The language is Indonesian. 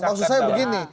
maksud saya begini